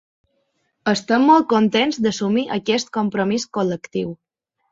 Estem molt contents d’assumir aquest compromís col·lectiu.